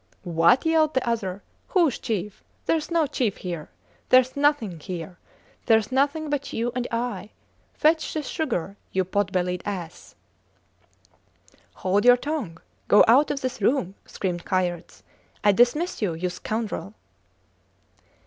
What? yelled the other. Whos chief? Theres no chief here. Theres nothing here: theres nothing but you and I. Fetch the sugar you pot bellied ass. Hold your tongue. Go out of this room, screamed Kayerts. I dismiss you you scoundrel!